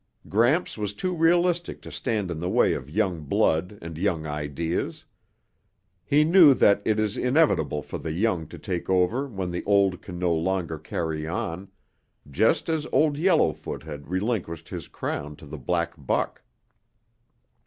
Gramps was too realistic to stand in the way of young blood and young ideas. He knew that it is inevitable for the young to take over when the old can no longer carry on just as Old Yellowfoot had relinquished his crown to the black buck.